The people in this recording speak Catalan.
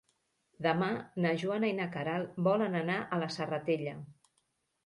Demà na Joana i na Queralt volen anar a la Serratella.